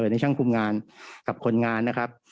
ในช่างคุมงานกับคนงานนะครับ